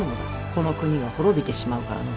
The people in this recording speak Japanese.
この国が滅びてしまうからの。